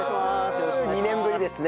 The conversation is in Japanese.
２年ぶりですね。